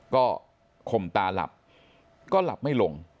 ก็ข่มตาหลับก็หลับไม่ลง